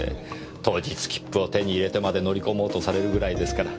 当日切符を手に入れてまで乗り込もうとされるぐらいですから。